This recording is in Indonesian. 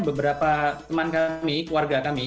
beberapa teman kami keluarga kami